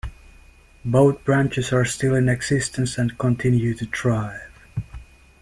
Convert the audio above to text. Both branches are still in existence and continue to thrive.